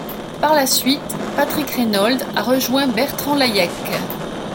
Par la suite, Patrick Reinbold a rejoint Bertrand Layec.